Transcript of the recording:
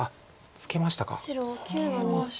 ツケました。